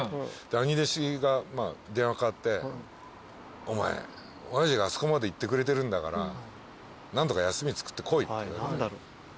兄弟子がまあ電話代わってお前親父があそこまで言ってくれてるんだから何とか休みつくって来いって。